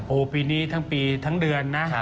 โอ้โหปีนี้ทั้งปีทั้งเดือนนะ